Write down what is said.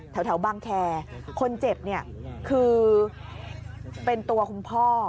แถวบางแคร์คนเจ็บเนี่ยคือเป็นตัวคุณพ่อ